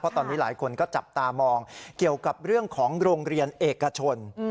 ตอนนี้หลายคนก็จับตามองเกี่ยวกับเรื่องของโรงเรียนเอกชน